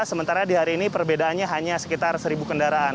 sementara di hari ini perbedaannya hanya sekitar seribu kendaraan